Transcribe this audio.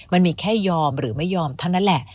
มันมีแค่ยอมหรือไม่ยอมเท่านั้นแหละ